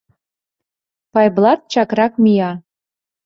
Пайблат чакрак мия.